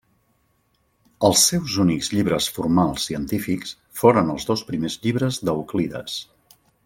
Els seus únics llibres formals científics foren els dos primers llibres d'Euclides.